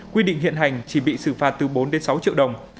quy định hiện hành chỉ bị xử phạt từ bốn đến sáu triệu đồng